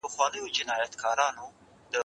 له نظمونو یم بېزاره له دېوانه یمه ستړی